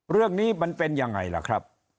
เรื่องนี้มันเป็นยังไงล่ะครับ